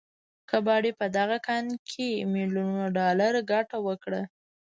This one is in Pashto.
کباړي په دغه کان کې ميليونونه ډالر ګټه وكړه.